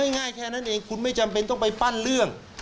ง่ายแค่นั้นเองคุณไม่จำเป็นต้องไปปั้นเรื่อง